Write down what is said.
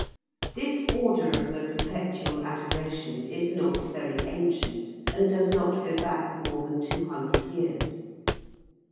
This order of the Perpetual Adoration is not very ancient and does not go back more than two hundred years.